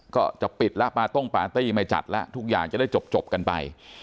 ก็จะปิดแล้วปาต้งปาร์ตี้ไม่จัดแล้วทุกอย่างจะได้จบกันไป